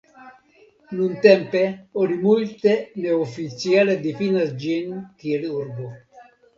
Nuntempe oni multe neoficiale difinas ĝin kiel urbo.